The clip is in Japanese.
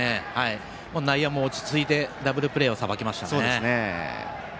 内野も落ち着いてダブルプレーをさばきました。